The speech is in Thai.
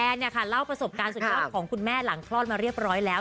เล่าประสบการณ์สุดยอดของคุณแม่หลังคลอดมาเรียบร้อยแล้ว